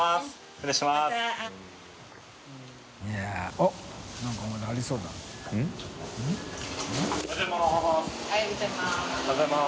おはようございます。